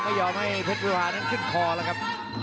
ไม่ยอมให้เพชรวิพานั้นขึ้นคอแล้วครับ